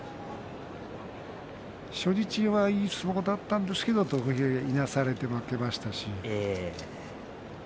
初日はいい相撲だったんですけれどもいなされて負けましたし。